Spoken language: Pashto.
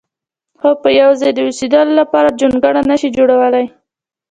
خو په یو ځای د اوسېدلو لپاره جونګړه نه شي جوړولی.